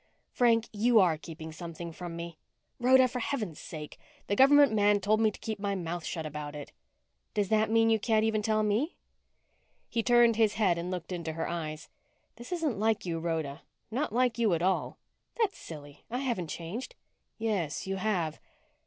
Frank, you are keeping something from me." "Rhoda! For heaven's sake! The government man told me to keep my mouth shut about it." "Does that mean you can't tell even me?" He turned his head and looked into her eyes. "This isn't like you, Rhoda. Not like you at all." "That's silly. I haven't changed." "Yes, you have."